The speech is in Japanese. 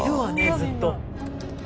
ずっと。